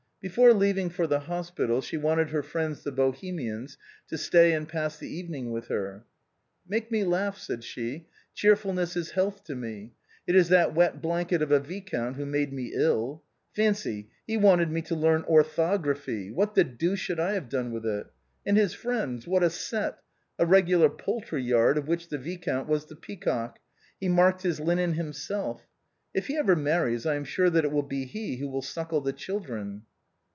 Before leaving for the hospital, she wanted her friends the Bohemians to stay and pass the evening with her. "Make me laugh," said she, "cheerfulness is health to me. It is that wet blanket of a viscount who made me ill. Fancy, he wanted me to learn orthography; what the deuce should I have done with it? and his friends, what a set! a regular poultry yard, of which the viscount was the pea cock. He marked his linen himself. If he ever marries I am sure that it will be he who will suckle the children.'"